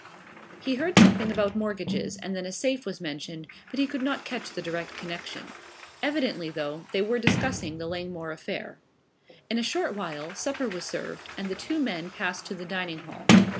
He heard something about mortgages and then a safe was mentioned, but he could not catch the direct connection. Evidently though, they were discussing the Langmore affair. In a short while supper was served and the two men passed to the dining hall.